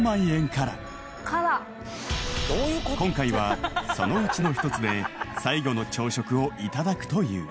［今回はそのうちの一つで最後の朝食をいただくという］